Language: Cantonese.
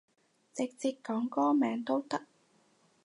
直接講歌名都得